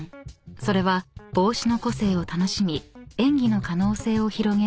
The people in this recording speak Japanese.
［それは帽子の個性を楽しみ演技の可能性を広げるひととき］